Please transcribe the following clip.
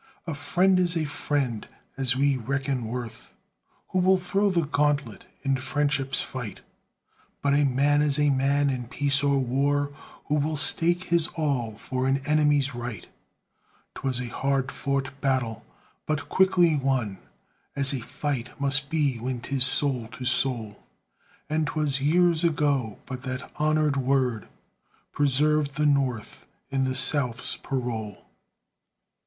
A friend is a friend, as we reckon worth, Who will throw the gauntlet in friendship's fight; But a man is a man in peace or war Who will stake his all for an enemy's right. 'Twas a hard fought battle, but quickly won, As a fight must be when 'tis soul to soul, And 'twas years ago; but that honored word Preserved the North in the South's parole.